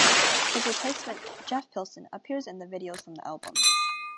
His replacement, Jeff Pilson, appears in the videos from the album.